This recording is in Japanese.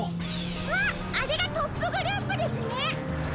あっあれがトップグループですね！